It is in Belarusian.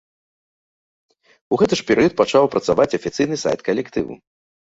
У гэты ж перыяд пачаў працаваць афіцыйны сайт калектыву.